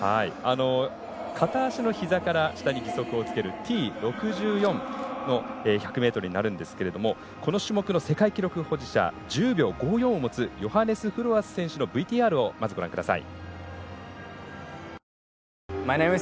片足のひざから下に義足をつけるＴ６４の１００ｍになるんですがこの種目の世界記録保持者１０秒５４を持つヨハネス・フロアス選手のＶＴＲをまずご覧ください。